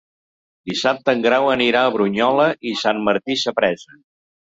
Dissabte en Grau anirà a Brunyola i Sant Martí Sapresa.